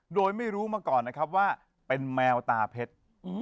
โดยไม่รู้มาก่อนนะครับว่าเป็นแมวตาเพชร